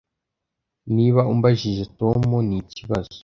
Niba umbajije Tom nikibazo